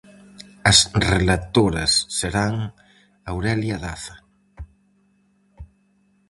As relatoras serán Aurelia Daza.